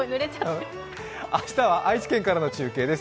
明日は愛知県からの中継です。